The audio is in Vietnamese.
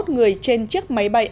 bảy mươi một người trên chiếc máy bay